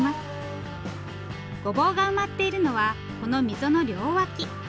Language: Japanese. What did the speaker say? ごぼうが埋まっているのはこの溝の両脇。